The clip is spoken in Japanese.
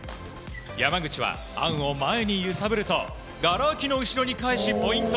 山口はアンを前に揺さぶるとがら空きの後ろに返しポイント。